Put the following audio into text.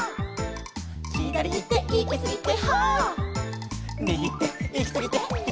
「ひだりいっていきすぎて」